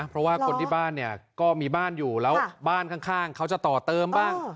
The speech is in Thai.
เพราะว่าคนที่บ้านเนี่ยก็มีบ้านอยู่แล้วบ้านข้างเขาจะต่อเติมบ้าง